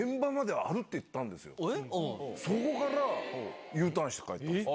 そこからＵターンして帰ったんです。